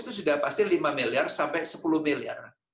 itu sudah pasti lima miliar sampai sepuluh miliar